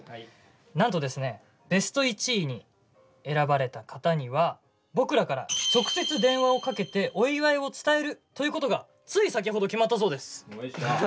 なんとですねベスト１位に選ばれた方には僕らから直接電話をかけてお祝いを伝えるということがつい先ほど決まったそうです。